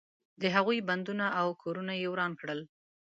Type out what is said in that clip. د هغوی بندونه او کورونه یې وران کړل.